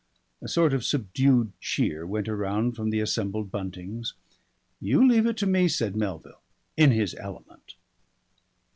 (A sort of subdued cheer went around from the assembled Buntings.) "You leave it to me," said Melville, in his element.